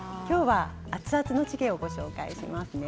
熱々のチゲをご紹介します。